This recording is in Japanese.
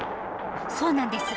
そうなんです。